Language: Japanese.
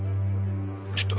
ちょっと。